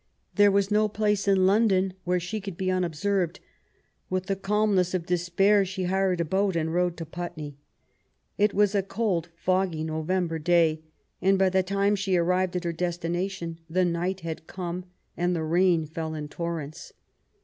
There was no place in London where she could be unobserved. With the calmness of despair she hired a boat and rowed to Putney. It was a cold^ foggy November day, and by the time she arrived at her destination the night had come, and the rain fell in torrents.